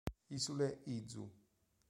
Isole Izu